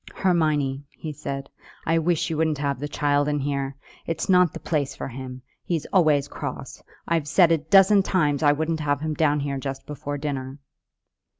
"Hermione," he said, "I wish you wouldn't have the child in here. It's not the place for him. He's always cross. I've said a dozen times I wouldn't have him down here just before dinner."